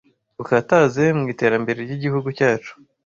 ukataze mu iterambere ry'igihugu cyacu